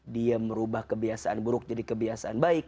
dia merubah kebiasaan buruk jadi kebiasaan baik